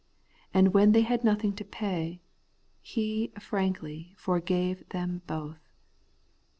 And when they had nothing to pay, he FRANKLY FORGAVE THEM BOTH.